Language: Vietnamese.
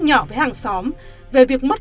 nhỏ với hàng xóm về việc mất